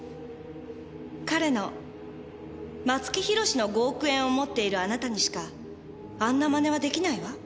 彼の松木弘の５億円を持っているあなたにしかあんな真似はできないわ。